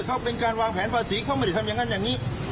เขาเป็นการวางแผนภาษีเขาไม่ได้ทำอย่างนั้นอย่างนี้